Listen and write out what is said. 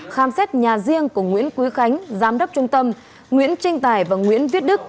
khám xét nhà riêng của nguyễn quý khánh giám đốc trung tâm nguyễn trinh tài và nguyễn viết đức